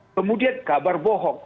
kemudian kabar bohong